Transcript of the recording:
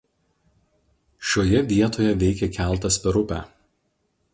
Šioje vietoje veikė keltas per upę.